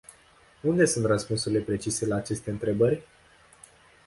Unde sunt răspunsurile precise la aceste întrebări?